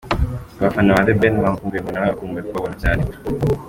Ku bafana ba The Ben bamukumbuye ngo nawe akumbuye kubabona cyane .